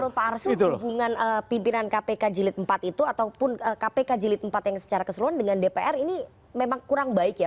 menurut pak arsul hubungan pimpinan kpk jilid empat itu ataupun kpk jilid empat yang secara keseluruhan dengan dpr ini memang kurang baik ya